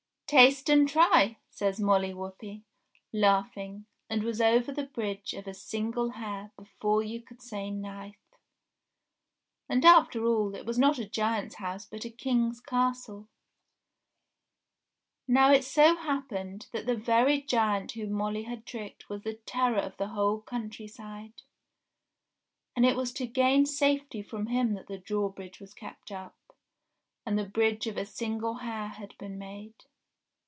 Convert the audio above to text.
"Taste and try," says Molly Whuppie, laughing, and was over the Bridge of a Single Hair before you could say knife. And, after all, it was not a giant's house but a King's castle. Now it so happened that the very giant whom Molly had tricked was the terror of the whole countryside, and it was to gain safety from him that the drawbridge MOLLY WHUPPIE AND THE GIANT 339 was kept up, and the Bridge of a Single Hair had been made.